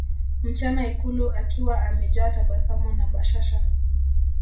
mchana ikulu akiwa amejaa tabasamu na bashasha